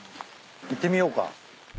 行ってみようか。